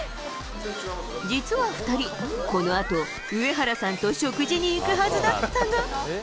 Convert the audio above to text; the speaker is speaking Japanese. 実は２人、このあと、上原さんと食事に行くはずだったが。